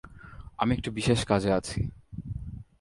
আমি একটু বিশেষ কাজে আছি।